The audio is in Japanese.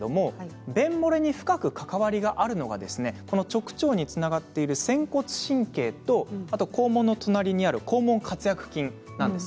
便もれに深く関わりがあるのが直腸につながっている仙骨神経と肛門の隣にある肛門括約筋です。